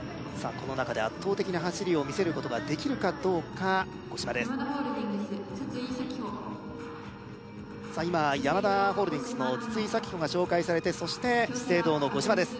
この中で圧倒的な走りを見せることができるかどうか五島ですヤマダホールディングス筒井咲帆さあ今ヤマダホールディングスの筒井咲帆が紹介されてそして資生堂の五島です